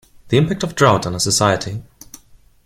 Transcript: The impact of a drought on a society.